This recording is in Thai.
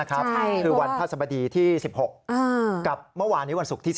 คือวันพระสบดีที่๑๖กับเมื่อวานวันศพที่๑๗